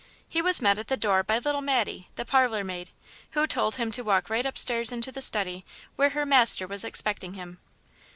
He was met at the door by little Mattie, the parlor maid, who told him to walk right upstairs into the study, where her master was expecting him.